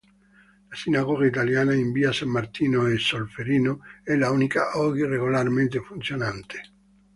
La sinagoga italiana, in via San Martino e Solferino, è l'unica oggi regolarmente funzionante.